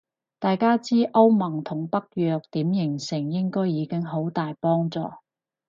大概知歐盟同北約點形成應該已經好大幫助